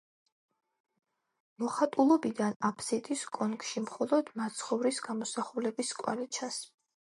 მოხატულობიდან აფსიდის კონქში მხოლოდ მაცხოვრის გამოსახულების კვალი ჩანს.